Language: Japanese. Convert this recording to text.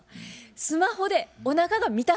スマホでおなかが満たされますか？